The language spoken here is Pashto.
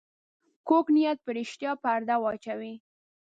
کوږ نیت پر رښتیا پرده واچوي